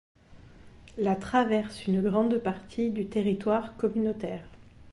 La traverse une grande partie du territoire communautaire.